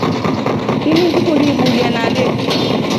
Ini ngikundi iburia nage.